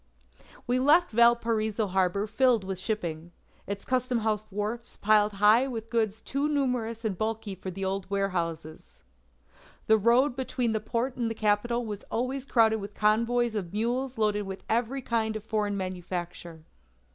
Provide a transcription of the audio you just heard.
"We left Valparaiso harbour filled with shipping; its customhouse wharfs piled high with goods too numerous and bulky for the old warehouses. The road between the port and the capital was always crowded with convoys of mules loaded with every kind of foreign manufacture.